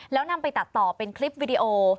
แล้วนำไปตัดต่อเป็นคลิปวิดีโอ